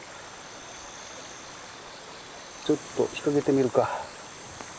ちょっと引っ掛けてみるか。